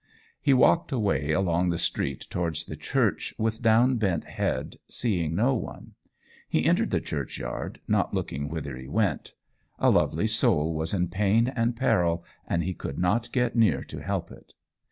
He walked away along the street towards the church with down bent head, seeing no one. He entered the churchyard, not looking whither he went: a lovely soul was in pain and peril, and he could not get near to help it.